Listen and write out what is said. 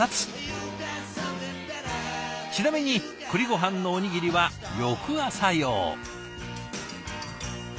ちなみに栗ごはんのおにぎりは翌朝用。